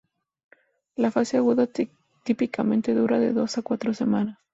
La fase aguda típicamente dura de dos a cuatro semanas.